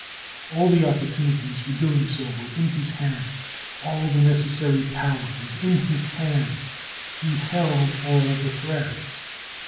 All the opportunities for doing so were in his hands. All the necessary power was in his hands ; he held all the threads.